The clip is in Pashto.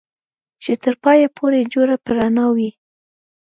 چې تر پايه پورې جوړه په رڼا وي